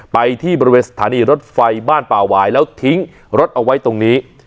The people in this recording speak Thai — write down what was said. ไปที่บริเวณสถานีรถไฟบ้านป่าหวายแล้วทิ้งรถเอาไว้ตรงนี้